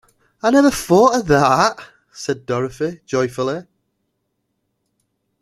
I never thought of that! said Dorothy, joyfully.